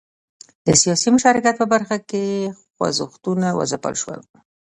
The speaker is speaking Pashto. د سیاسي مشارکت په برخه کې خوځښتونه وځپل شول.